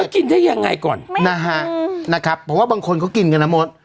กินได้ยังไงก่อนนะฮะนะครับเพราะว่าบางคนเขากินกันนะมด